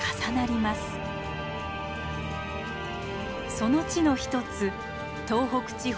その地の一つ東北地方